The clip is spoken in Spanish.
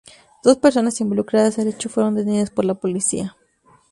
Dos personas involucradas al hecho fueron detenidas por la policía.